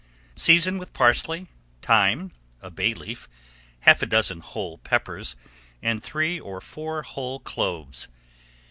Season with parsley, thyme, a bay leaf, half a dozen whole peppers, and three or four whole cloves.